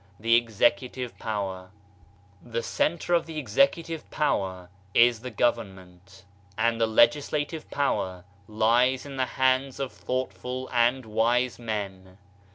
The Executive Power, The center of the executive power is the gov ernment, and the legislative power lies in the hands of thoughtful and wise men.